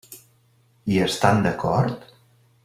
Hi estan d'acord?